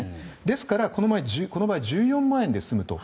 ですから、この場合１４万円で済むと。